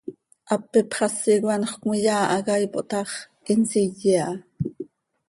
Hap ipxasi coi anxö cömiyaa hac aa ipooh ta x, hin nsiye aha.